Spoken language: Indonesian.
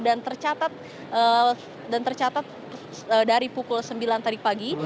dan tercatat dari pukul sembilan tadi pagi